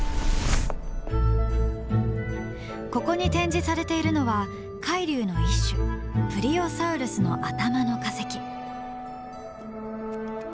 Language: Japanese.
ここに展示されているのは海竜の一種プリオサウルスの頭の化石。